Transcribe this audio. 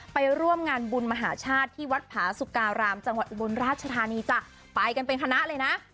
ไปร่วมงานบุญมหาชาติที่วัดผาสุการามจังหวัดอุบลราชธานีจ้ะไปกันเป็นคณะเลยนะ